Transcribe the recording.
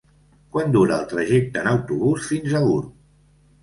Quant dura el trajecte en autobús fins a Gurb?